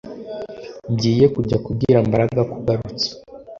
Ngiye kujya kubwira Mbaraga ko ugarutse